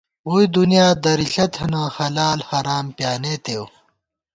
ووئی دُنیا درِݪہ تھنہ ، حلال حرام پیانېتېؤ